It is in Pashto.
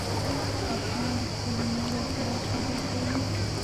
افغان د خپلې مور او پلار قدر کوي.